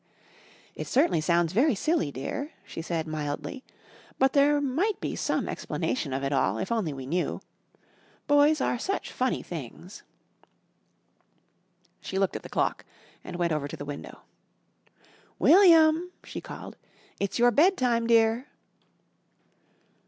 "It certainly sounds very silly, dear," she said mildly. "But there might be some explanation of it all, if only we knew. Boys are such funny things." She looked at the clock and went over to the window, "William!" she called. "It's your bed time, dear."